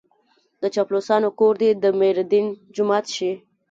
د چاپلوسانو کور دې د ميردين جومات شي.